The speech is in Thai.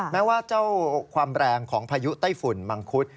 แม้ว่าเจ้าความแรงของพายุไต้ฝุ่นมังคุด